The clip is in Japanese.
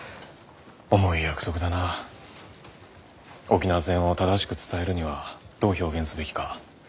沖縄戦を正しく伝えるにはどう表現すべきか。